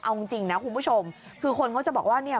เอาจริงนะคุณผู้ชมคือคนเขาจะบอกว่าเนี่ย